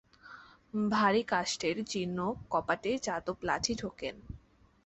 ভারী কাষ্ঠের জীর্ণ কপাটে যাদব লাঠি ঠোকেন।